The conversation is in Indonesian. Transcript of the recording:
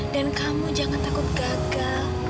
dan kamu jangan takut gagal